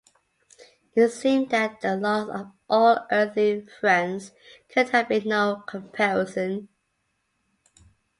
It seemed that the loss of all earthly friends could have been no comparison.